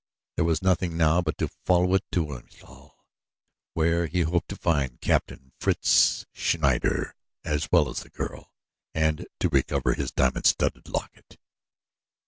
There was nothing now but to follow on to Wilhelmstal, where he hoped to find Captain Fritz Schneider, as well as the girl, and to recover his diamond studded locket.